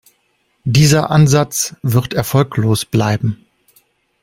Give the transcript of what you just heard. Dieser Ansatz wird erfolglos bleiben.